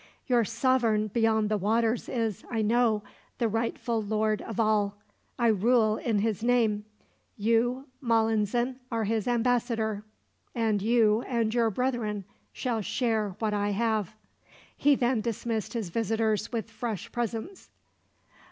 "Your sovereign beyond the waters is, I know, the rightful lord of all. I rule in his name. You, Malinzin, are his ambassador, and you and your brethren shall share what I have." He then dismissed his visitors with fresh presents.